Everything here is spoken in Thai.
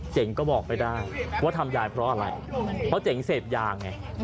เจ๋งก็บอกไปได้ว่าทำยายเพราะอะไรเพราะเจ๋งเสพยาไง